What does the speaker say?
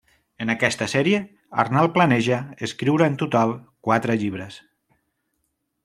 En aquesta sèrie, Arnald planeja escriure en total quatre llibres.